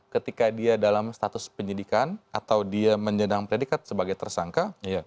ketika dia dalam status penyidikan atau dia menyedang predikat sebagai tersangka